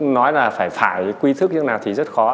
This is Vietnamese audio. nói là phải quy thức như thế nào thì rất khó